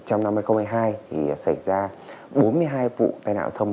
trong năm hai nghìn hai mươi hai thì xảy ra bốn mươi hai vụ tai nạn thông